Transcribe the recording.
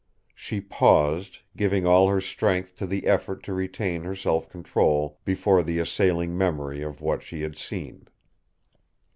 She paused, giving all her strength to the effort to retain her self control before the assailing memory of what she had seen.